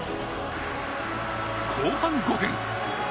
後半５分。